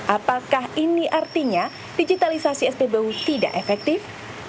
apakah ini artinya digitalisasi spbu tidak efektif